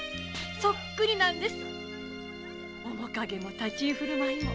そっくりなんです面影も立ち居振る舞いも。